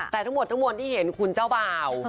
แต่ทั้งหมดทั้งมวลที่เห็นคุณเจ้าบ่าว